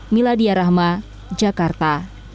miladya rahma jakarta